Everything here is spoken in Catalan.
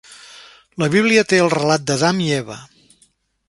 La Bíblia té el relat d'Adam i Eva.